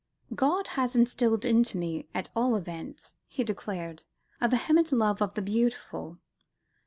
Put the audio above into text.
"God has instilled into me, at all events," he declared, "a vehement love of the beautiful.